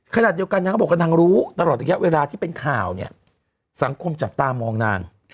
ขนาดเดียวกันนางก็บอกว่านางรู้ตลอดระยะเวลาที่เป็นข่าวเนี่ยสังคมจับตามองนาน